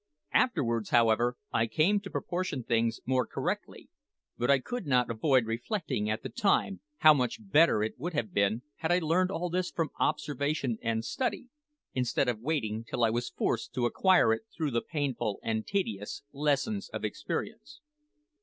Afterwards, however, I came to proportion things more correctly; but I could not avoid reflecting at the time how much better it would have been had I learned all this from observation and study, instead of waiting till I was forced to acquire it through the painful and tedious lessons of experience.